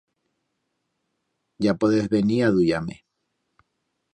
Ya podez venir a aduyar-me.